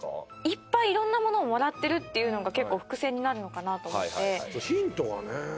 いっぱい色んなものをもらってるっていうのが結構伏線になるのかなと思ってヒントがね